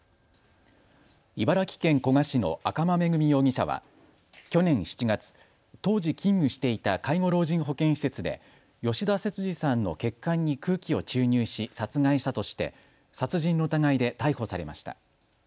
茨城県古河市の赤間恵美容疑者は去年７月、当時勤務していた介護老人保健施設で吉田節次さんの血管に空気を注入し殺害したとして殺人の疑いで逮捕されました。